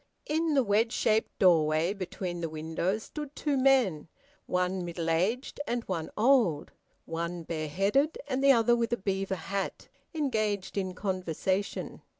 In the wedge shaped doorway between the windows stood two men, one middle aged and one old, one bareheaded and the other with a beaver hat, engaged in conversation.